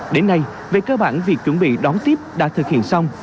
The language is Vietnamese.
đến nay về cơ bản việc chuẩn bị đón tiếp đã thực hiện xong